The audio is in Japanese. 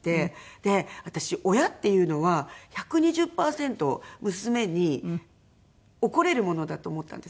で私親っていうのは１２０パーセント娘に怒れるものだと思ったんです。